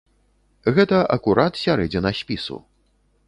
Гэта акурат сярэдзіна спісу.